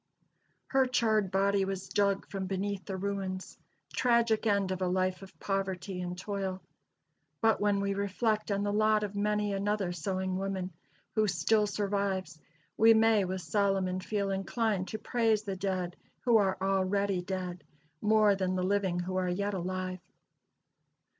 Her charred body was dug from beneath the ruins. Tragic end of a life of poverty and toil! But when we reflect on the lot of many another sewing woman, who still survives, we may, with Solomon, feel inclined to "praise the dead who are already dead, more than the living who are yet alive."